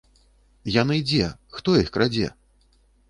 Яны дзе, хто іх крадзе?